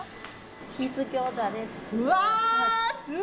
チーズギョーザです。